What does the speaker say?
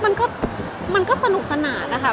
มันก็มันก็สนุกสนานนะคะ